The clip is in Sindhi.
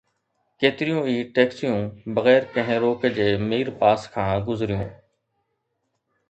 ڪيتريون ئي ٽئڪسيون بغير ڪنهن روڪ جي مير پاس کان گذريون